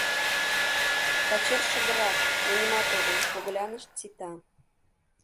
Пачер шыгыррак, но нимат огыл, когылянышт сита.